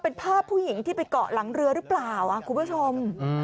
เป็นภาพผู้หญิงที่ไปเกาะหลังเรือหรือเปล่าคุณผู้ชม